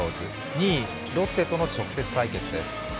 ２位・ロッテとの直接対決です。